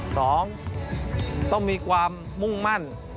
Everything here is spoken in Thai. สองต้องมีความมุ่งมั่น